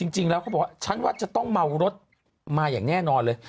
จริงแล้วเขาบอกว่าฉันว่าจะต้องเมารถมาอย่างแน่นอนเลย